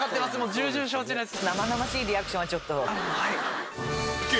重々承知です。